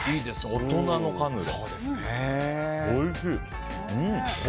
大人のカヌレ。